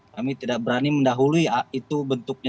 kami tidak berani mendahului itu bentuknya